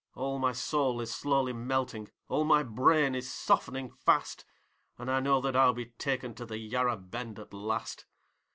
All my soul is slowly melting, all my brain is softening fast, And I know that I'll be taken to the Yarr bend at last.